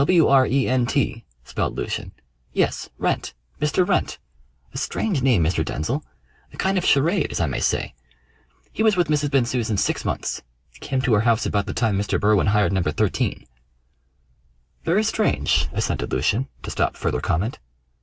"W r e n t!" spelled Lucian. "Yes. Wrent! Mr. Wrent. A strange name, Mr. Denzil a kind of charade, as I may say. He was with Mrs. Bensusan six months; came to her house about the time Mr. Berwin hired No. 13." "Very strange!" assented Lucian, to stop further comment.